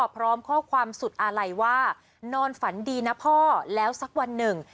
พร้อมข้อความสุดอาลัยว่านอนฝันดีนะพ่อแล้วสักวันหนึ่ง